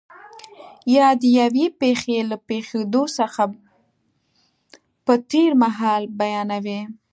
یا د یوې پېښې له پېښېدو څخه په تېر مهال بیانوي.